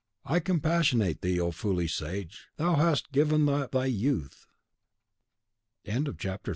I compassionate thee, O foolish sage, THOU hast given up THY youth!" CHAPTER 3.